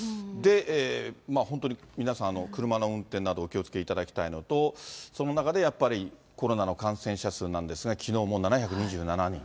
本当に皆さん、車の運転など、お気をつけいただきたいのと、その中でやっぱりコロナの感染者数なんですが、きのうも７２７人。